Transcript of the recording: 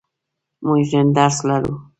موږ نن درس لرو.